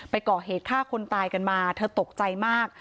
ก่อเหตุฆ่าคนตายกันมาเธอตกใจมาก